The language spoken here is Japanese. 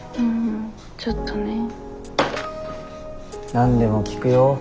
何でも聞くよ。